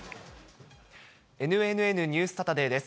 ＮＮＮニュースサタデーです。